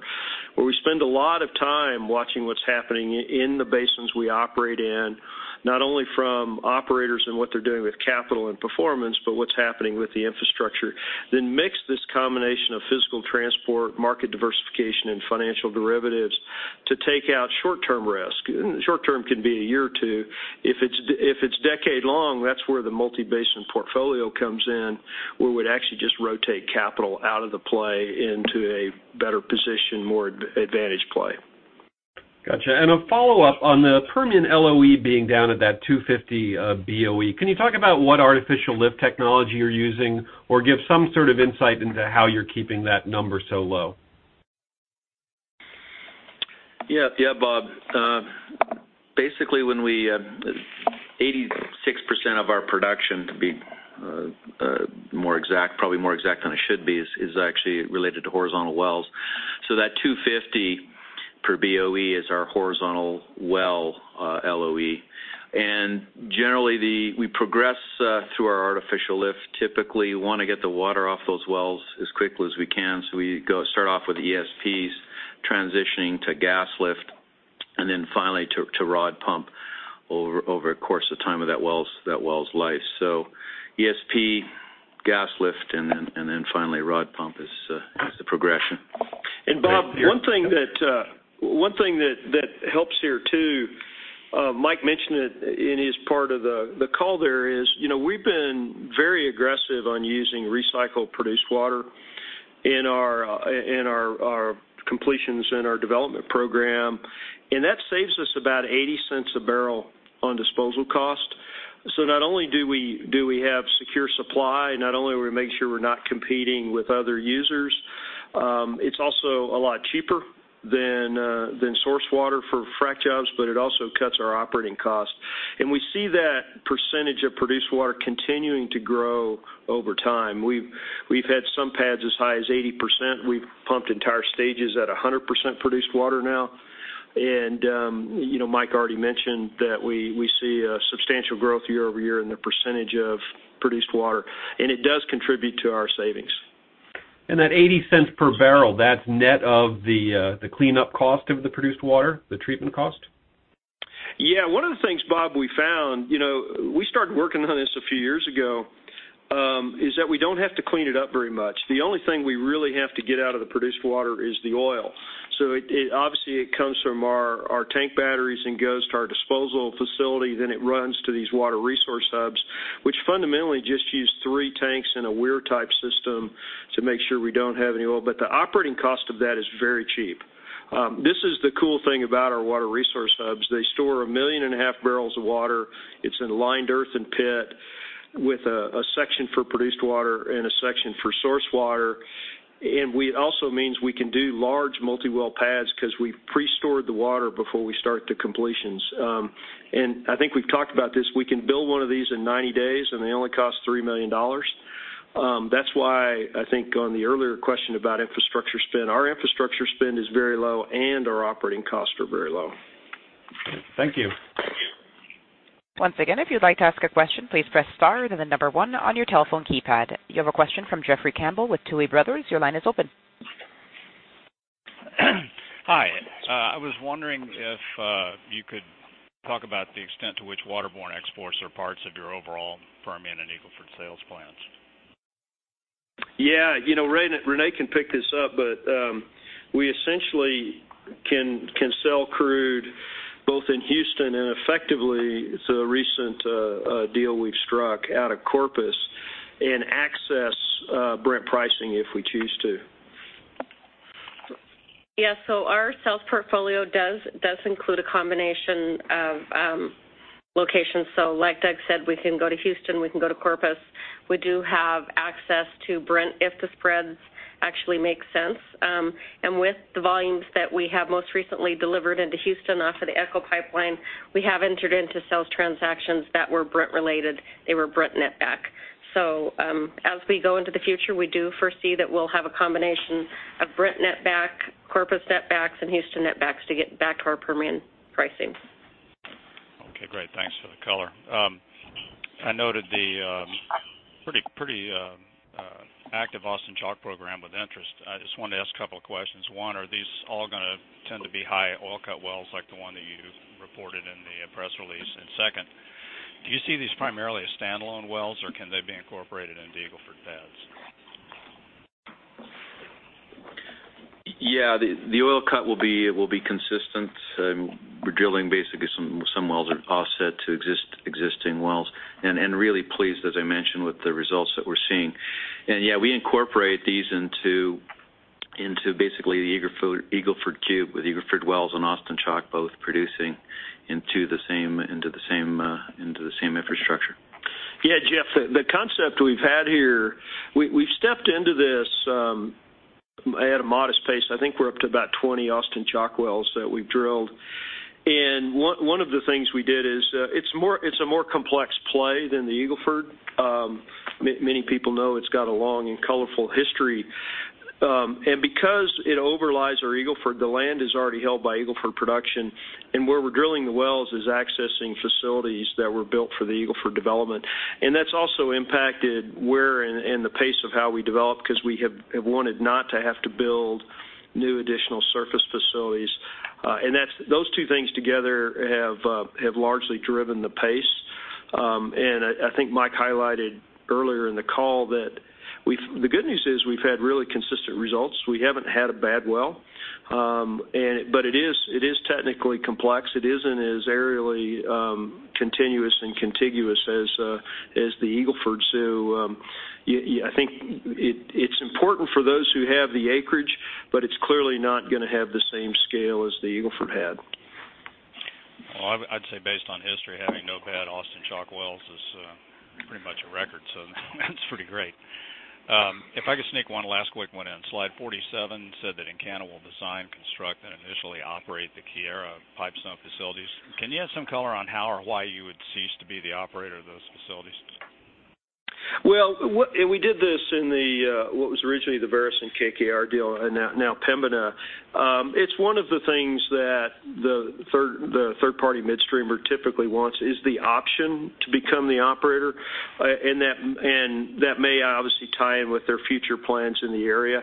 where we spend a lot of time watching what's happening in the basins we operate in. Not only from operators and what they're doing with capital and performance, but what's happening with the infrastructure. Mix this combination of physical transport, market diversification, and financial derivatives to take out short-term risk. Short-term can be a year or two. If it's decade long, that's where the multi-basin portfolio comes in, where we'd actually just rotate capital out of the play into a better position, more advantage play. Got you. A follow-up on the Permian LOE being down at that 250 BOE. Can you talk about what artificial lift technology you're using or give some sort of insight into how you're keeping that number so low? Yeah, Bob. Basically, 86% of our production, to be more exact, probably more exact than it should be, is actually related to horizontal wells. That 250 per BOE is our horizontal well LOE. Generally, we progress through our artificial lift. Typically, want to get the water off those wells as quickly as we can, so we start off with ESPs transitioning to gas lift, then finally to rod pump over a course of time of that well's life. ESP, gas lift, then finally rod pump is the progression. Bob, one thing that helps here too, Mike mentioned it in his part of the call there is, we've been very aggressive on using recycled produced water in our completions, in our development program, and that saves us about $0.80 a barrel on disposal cost. Not only do we have secure supply, not only are we making sure we're not competing with other users, it's also a lot cheaper than source water for frack jobs, but it also cuts our operating cost. We see that percentage of produced water continuing to grow over time. We've had some pads as high as 80%. We've pumped entire stages at 100% produced water now. Mike already mentioned that we see a substantial growth year-over-year in the percentage of produced water, and it does contribute to our savings. That $0.80 per barrel, that's net of the cleanup cost of the produced water, the treatment cost? Yeah. One of the things, Bob, we found, we started working on this a few years ago, is that we don't have to clean it up very much. The only thing we really have to get out of the produced water is the oil. Obviously, it comes from our tank batteries and goes to our disposal facility, then it runs to these water resource hubs, which fundamentally just use three tanks and a weir-type system to make sure we don't have any oil. The operating cost of that is very cheap. This is the cool thing about our water resource hubs. They store 1.5 million barrels of water. It's in a lined earthen pit with a section for produced water and a section for source water. It also means we can do large multi-well pads because we've pre-stored the water before we start the completions. I think we've talked about this. We can build one of these in 90 days, and they only cost $3 million. That's why I think on the earlier question about infrastructure spend, our infrastructure spend is very low and our operating costs are very low. Thank you. Thanks. Once again, if you'd like to ask a question, please press star, then the number one on your telephone keypad. You have a question from Jeffrey Campbell with Tuohy Brothers. Your line is open. Hi. I was wondering if you could talk about the extent to which waterborne exports are parts of your overall Permian and Eagle Ford sales plans. Yeah. Reneé can pick this up. We essentially can sell crude both in Houston and effectively, it's a recent deal we've struck out of Corpus. Access Brent pricing if we choose to. Yeah. Our sales portfolio does include a combination of locations. Like Doug said, we can go to Houston, we can go to Corpus. We do have access to Brent if the spreads actually make sense. With the volumes that we have most recently delivered into Houston off of the Echo Pipeline, we have entered into sales transactions that were Brent related. They were Brent net back. As we go into the future, we do foresee that we'll have a combination of Brent net back, Corpus net backs, and Houston net backs to get back to our Permian pricing. Okay, great. Thanks for the color. I noted the pretty active Austin Chalk program with interest. I just wanted to ask a couple of questions. One, are these all going to tend to be high oil cut wells like the one that you reported in the press release? Second, do you see these primarily as standalone wells, or can they be incorporated into Eagle Ford pads? Yeah. The oil cut will be consistent. We're drilling basically some wells are offset to existing wells, really pleased, as I mentioned, with the results that we're seeing. Yeah, we incorporate these into basically the Eagle Ford cube with Eagle Ford wells and Austin Chalk both producing into the same infrastructure. Yeah, Jeff, the concept we've had here, we've stepped into this at a modest pace. I think we're up to about 20 Austin Chalk wells that we've drilled. One of the things we did is, it's a more complex play than the Eagle Ford. Many people know it's got a long and colorful history. Because it overlies our Eagle Ford, the land is already held by Eagle Ford production, and where we're drilling the wells is accessing facilities that were built for the Eagle Ford development. That's also impacted where and the pace of how we develop, because we have wanted not to have to build new additional surface facilities. Those two things together have largely driven the pace. I think Mike highlighted earlier in the call that the good news is we've had really consistent results. We haven't had a bad well. It is technically complex. It isn't as aerially continuous and contiguous as the Eagle Ford. I think it's important for those who have the acreage, but it's clearly not going to have the same scale as the Eagle Ford had. I'd say based on history, having no bad Austin Chalk wells is pretty much a record, that's pretty great. If I could sneak one last quick one in. Slide 47 said that Encana will design, construct, and initially operate the Keyera Pipestone facilities. Can you add some color on how or why you would cease to be the operator of those facilities? We did this in what was originally the Veresen KKR deal, and now Pembina. It's one of the things that the third-party midstreamer typically wants is the option to become the operator. That may obviously tie in with their future plans in the area.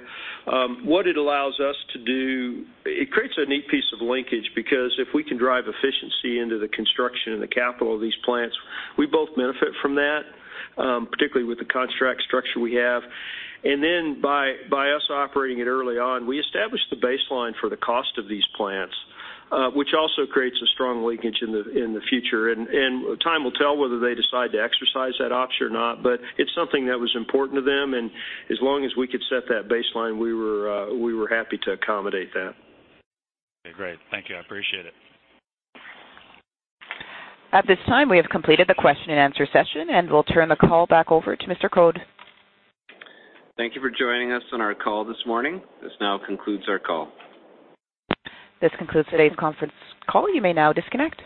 What it allows us to do, it creates a neat piece of linkage because if we can drive efficiency into the construction and the capital of these plants, we both benefit from that, particularly with the contract structure we have. Then by us operating it early on, we establish the baseline for the cost of these plants, which also creates a strong linkage in the future. Time will tell whether they decide to exercise that option or not, but it's something that was important to them, and as long as we could set that baseline, we were happy to accommodate that. Great. Thank you. I appreciate it. At this time, we have completed the question and answer session, we'll turn the call back over to Mr. Code. Thank you for joining us on our call this morning. This now concludes our call. This concludes today's conference call. You may now disconnect.